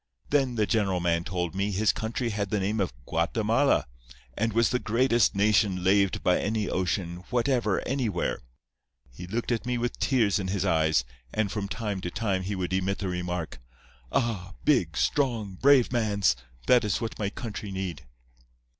Then the general man told me his country had the name of Guatemala, and was the greatest nation laved by any ocean whatever anywhere. He looked at me with tears in his eyes, and from time to time he would emit the remark, 'Ah! big, strong, brave mans! That is what my country need.